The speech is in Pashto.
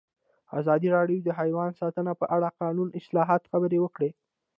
ازادي راډیو د حیوان ساتنه په اړه د قانوني اصلاحاتو خبر ورکړی.